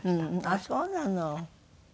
ああそうなの。